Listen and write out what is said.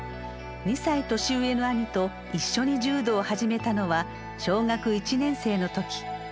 ２歳年上の兄と一緒に柔道を始めたのは小学１年生の時。